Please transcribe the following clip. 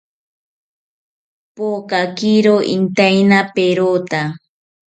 Pokakiro intaina perota